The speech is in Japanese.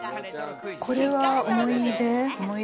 これは思い出。